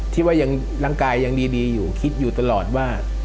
ที่ว่ายังร่างกายยังดีอยู่คิดอยู่ตลอดว่า